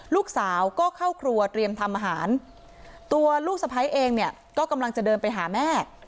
ลูกสาวก็เข้าครัวเตรียมทำอาหารตัวลูกสะพ้ายเองเนี่ยก็กำลังจะเดินไปหาแม่